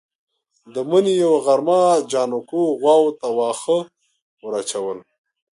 د مني يوه غرمه جانکو غواوو ته واښه ور اچول.